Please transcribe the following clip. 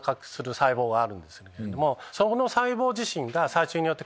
その細胞自身が。